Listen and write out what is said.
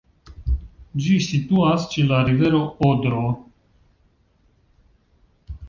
Ĝi situas ĉe la rivero Odro.